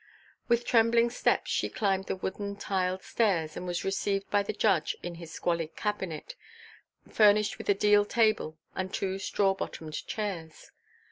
With trembling steps she climbed the wooden, tiled stairs and was received by the judge in his squalid cabinet, furnished with a deal table and two straw bottomed chairs.